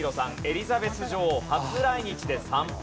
エリザベス女王初来日で参拝。